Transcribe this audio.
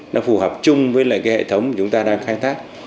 nó phù hợp chung với lại cái hệ thống chúng ta đang khai thác